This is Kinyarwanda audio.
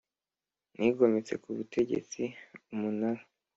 Nigometse ku butegetsi Umunara